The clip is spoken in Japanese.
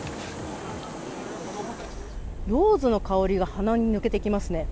ローズの香りが鼻に抜けていきますね。